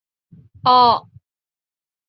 要苟日新，日日新。要天行健，自强不息。